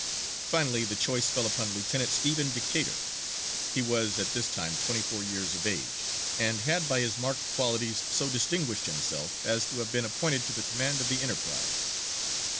Finally the choice fell upon Lieutenant Stephen Decatur. He was at this time twenty four years of age, and had by his marked qualities so distinguished himself as to have been appointed to the command of the Enterprise.